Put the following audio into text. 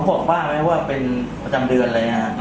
มันบอกป๊าไหมว่าเป็นประจำเดือนอะไรอย่างน่ะครับ